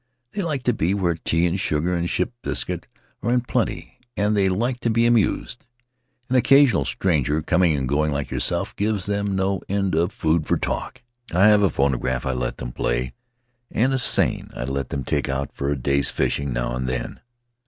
They like to be where tea and sugar and ship's biscuit are in plenty, and they like to be amused. An occasional stranger, coming and going like yourself, gives them no end of food for talk; I have a phonograph I let them play, and a seine I let them take out for a day's fishing now and then.